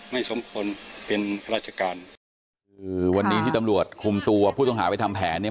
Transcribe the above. สมควรเป็นราชการคือวันนี้ที่ตำรวจคุมตัวผู้ต้องหาไปทำแผนเนี่ย